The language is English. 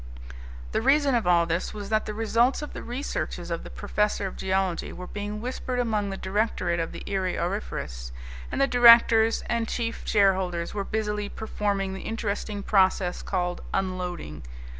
The reason of all this was that the results of the researches of the professor of geology were being whispered among the directorate of the Erie Auriferous. And the directors and chief shareholders were busily performing the interesting process called unloading.